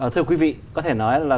thưa quý vị có thể nói là